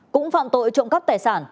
cũng phạm tội trộm cắp tài sản